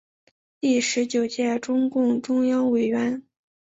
第十九届中共中央委员。